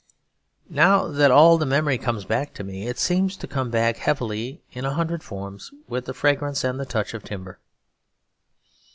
Now that all the memory comes back to me, it seems to come back heavy in a hundred forms with the fragrance and the touch of timber.